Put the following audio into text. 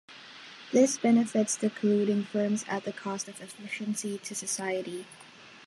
This benefits the colluding firms at the cost of efficiency to society.